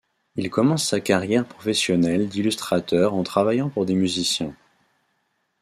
Il commence sa carrière professionnelle d'illustrateur en travaillant pour des musiciens.